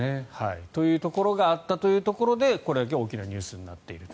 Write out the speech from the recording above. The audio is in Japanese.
というところがあったというところでこれだけ大きなニュースになっていると。